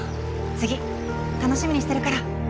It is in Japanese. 次楽しみにしてるから。